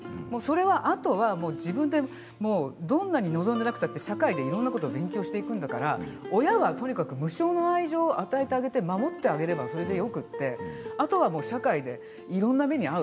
あとは自分で、どんなに望んでいなくても社会でいろいろなことを勉強していくんだから、親は無償の愛情を与えて守ってあげればそれでよくてあとは社会でいろいろな目に遭う